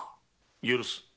許す。